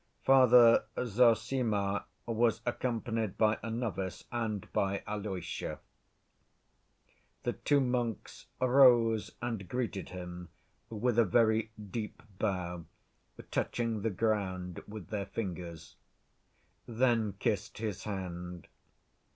Father Zossima was accompanied by a novice, and by Alyosha. The two monks rose and greeted him with a very deep bow, touching the ground with their fingers; then kissed his hand.